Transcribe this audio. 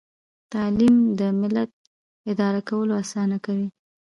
تعلیم د ملت اداره کول اسانه کوي.